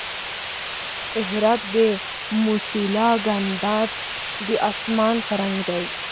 د هرات د موسیلا ګنبد د اسمان په رنګ دی